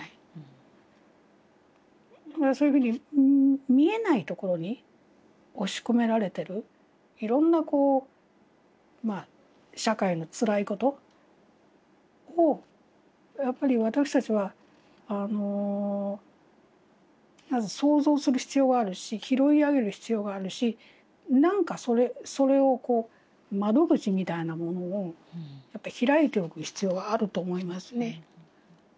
そういうふうに見えないところに押し込められてるいろんなこう社会のつらいことをやっぱり私たちは想像する必要があるし拾い上げる必要があるしなんかそれをこう窓口みたいなものを開いておく必要があると思いますね。